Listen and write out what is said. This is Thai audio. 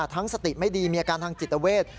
สติไม่ดีมีอาการทางจิตเวท